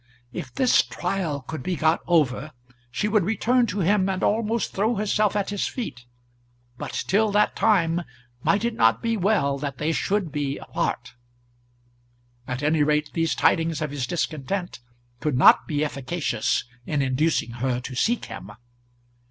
If this trial could be got over, she would return to him and almost throw herself at his feet; but till that time, might it not be well that they should be apart? At any rate, these tidings of his discontent could not be efficacious in inducing her to seek him.